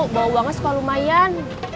bawa uangnya sekolah lumayan